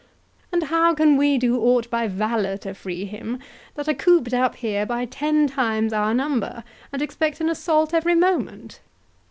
—And how can we do aught by valour to free him, that are cooped up here by ten times our number, and expect an assault every moment?"